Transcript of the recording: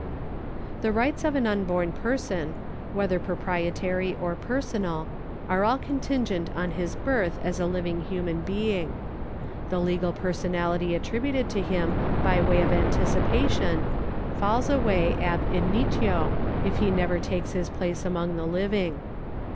The rights of an unborn person, whether proprietary or personal, are all contingent on his birth as a living human being. The legal personality attributed to him by way of anticipation falls away ab initio if he never takes his place among the living.